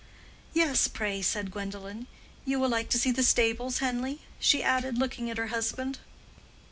"Yes, pray," said Gwendolen. "You will like to see the stables, Henleigh?" she added, looking at her husband.